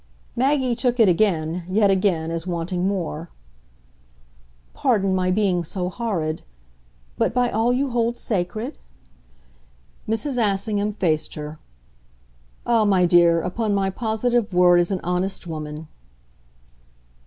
Maggie took it again, yet again as wanting more. "Pardon my being so horrid. But by all you hold sacred?" Mrs. Assingham faced her. "Ah, my dear, upon my positive word as an honest woman."